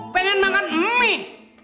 pengen makan mee